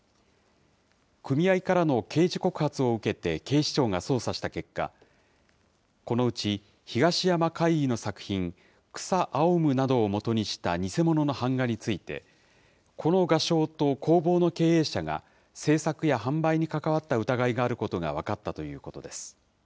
組合からの刑事告発を受けて警視庁が捜査した結果、このうち東山魁夷の作品、草青むなどをもとにした偽物の版画について、この画商と工房の経営者が制作や販売に関わった疑いがあることが分かったということです。